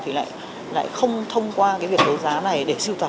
thì lại không thông qua việc đấu giá này để sưu tập